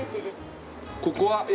ここは？